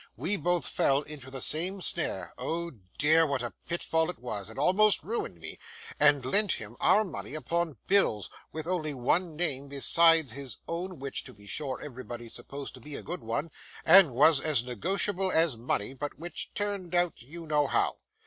We both fell into the same snare; oh dear, what a pitfall it was; it almost ruined me! And lent him our money upon bills, with only one name besides his own, which to be sure everybody supposed to be a good one, and was as negotiable as money, but which turned out you know how.